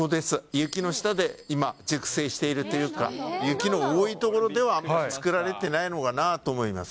雪の下で今、熟成しているというか、雪の多いところでは、あんまり作られてないのかなと思います。